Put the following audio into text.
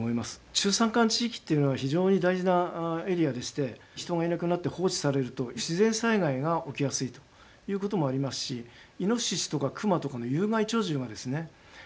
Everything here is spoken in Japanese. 中山間地域っていうのは非常に大事なエリアでして人がいなくなって放置されると自然災害が起きやすいということもありますしイノシシとかクマとかの有害鳥獣がですね